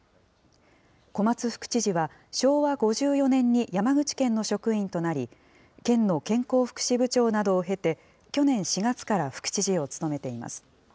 小松副知事は、昭和５４年に山口県の職員となり、県の健康福祉部長などを経て、去年４月から副知事を務めています。